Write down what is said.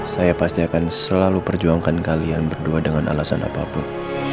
saya pasti akan selalu perjuangkan kalian berdua dengan alasan apapun